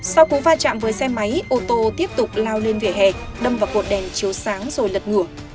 sau cú va chạm với xe máy ô tô tiếp tục lao lên vỉa hè đâm vào cột đèn chiếu sáng rồi lật ngửa